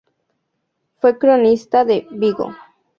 Fue cronista de Vigo.